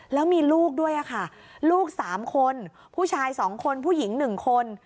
แล้วมีลูกด้วยค่ะลูก๓คนผู้ชาย๒คนผู้หญิง๑คน